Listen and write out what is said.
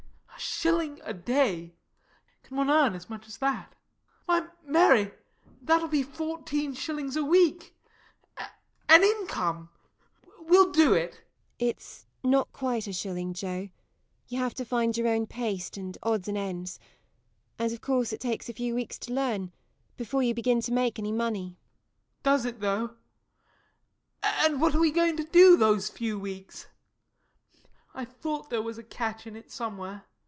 A shilling a day can one earn as much as that! Why, Mary, that will be fourteen shillings a week an income! We'll do it! MARY. It's not quite a shilling, Joe you have to find your own paste and odds and ends. And of course it takes a few weeks to learn, before you begin to make any money. JOE. [Crestfallen.] Does it though? And what are we going to do, those few weeks? I thought there was a catch in it, somewhere.